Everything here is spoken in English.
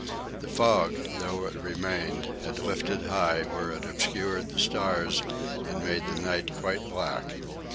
The fog, though it remained, had lifted high, where it obscured the stars and made the night quite black.